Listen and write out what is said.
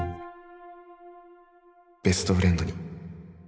ベストフレンドに